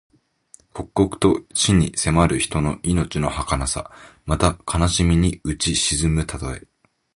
刻々と死に迫る人の命のはかなさ。また、悲しみにうち沈むたとえ。